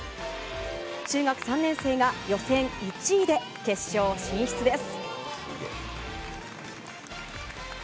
中学３年生が予選１位で決勝進出です。